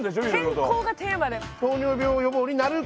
「健康」がテーマで。